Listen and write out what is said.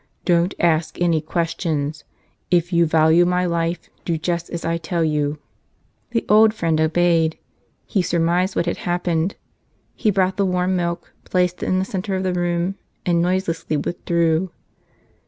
Don't ask any questions ! If you value my life do just as I tell you !" The old friend obeyed; he surmised what had hap¬ pened. He brought the warm milk, placed it in the center of the room, and noiselessly withdrew.